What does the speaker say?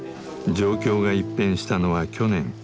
状況が一変したのは去年。